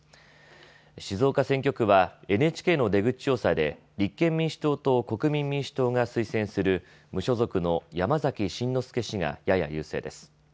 静岡選挙区はＮＨＫの出口調査で立憲民主党と国民民主党が推薦する無所属の山崎真之輔氏がやや優勢です。